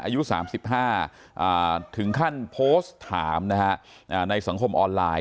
อายุ๓๕ถึงขั้นโพสต์ถามนะฮะในสังคมออนไลน์